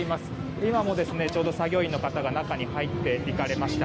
今もちょうど作業員の方が中に入っていかれました。